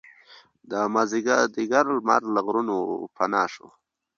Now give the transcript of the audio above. د مازدیګر لمر له غرونو پناه شو.